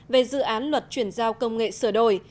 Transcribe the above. về dự án luật chuyển giao công nghệ sửa đổi